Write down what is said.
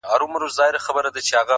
زما زنده گي وخوړه زې وخوړم;